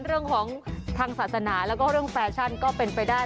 เรื่องของทางศาสนาแล้วก็เรื่องแฟชั่นก็เป็นไปได้